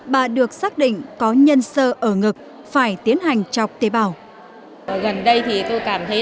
bà được xác định có nhân sơ ở ngực phải tiến hành chọc tế bào